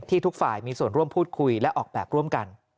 ทุกฝ่ายมีส่วนร่วมพูดคุยและออกแบบร่วมกัน